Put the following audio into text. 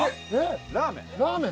ラーメン？